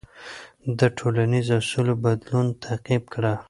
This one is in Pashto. د ټولنیزو اصولو بدلون تعقیب کړه.